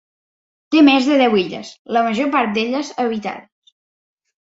Té més de deu illes, la major part d'elles habitades.